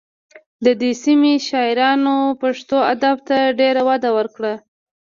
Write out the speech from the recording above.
د دې سیمې شاعرانو پښتو ادب ته ډېره وده ورکړه